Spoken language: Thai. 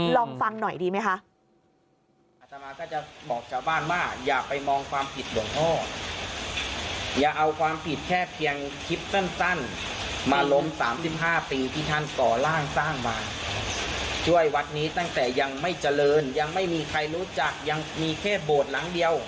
ลองฟังหน่อยดีไหมคะ